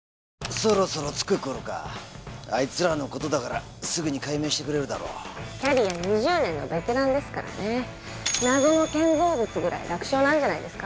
そろそろ着く頃かあいつらのことだからすぐに解明してくれるだろうキャリア２０年のベテランですからね謎の建造物ぐらい楽勝なんじゃないですか？